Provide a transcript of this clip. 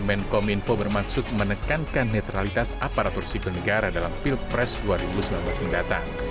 menkom info bermaksud menekankan netralitas aparatur sipil negara dalam pilpres dua ribu sembilan belas mendatang